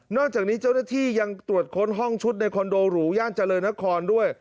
จากนี้เจ้าหน้าที่ยังตรวจค้นห้องชุดในคอนโดหรูย่านเจริญนครด้วย